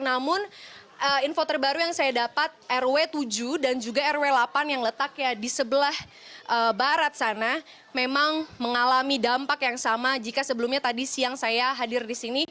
namun info terbaru yang saya dapat rw tujuh dan juga rw delapan yang letak ya di sebelah barat sana memang mengalami dampak yang sama jika sebelumnya tadi siang saya hadir di sini